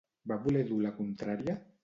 Va voler dur la contrària?